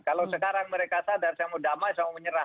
kalau sekarang mereka sadar saya mau damai saya mau menyerah